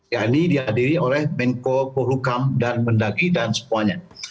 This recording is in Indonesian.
ini dihadiri oleh menko pohukam dan pendaki dan semuanya